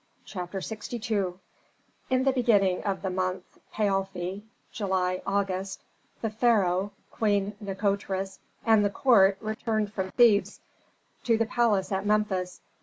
CHAPTER LXII In the beginning of the month Paofi (July, August) the pharaoh, Queen Nikotris, and the court returned from Thebes to the palace at Memphis.